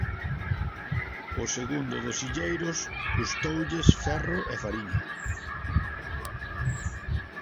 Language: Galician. O segundo dos illeiros custoulles ferro e fariña.